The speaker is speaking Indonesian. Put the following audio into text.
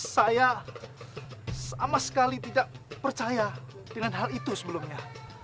saya sama sekali tidak percaya dengan hal itu sebelumnya